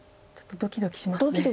ドキドキします。